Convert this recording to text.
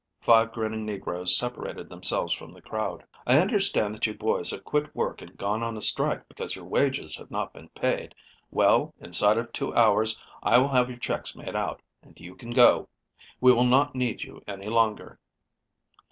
Five grinning negroes separated themselves from the crowd. "I understand that you boys have quit work and gone on a strike because your wages have not been paid. Well, inside of two hours I will have your checks made out, and you can go. We will not need you any longer.